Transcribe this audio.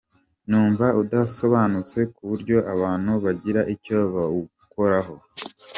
Numva udasobanutse ku buryo abantu bagira icyo bawukoraho.